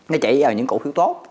nó chạy vào những cổ phiếu tốt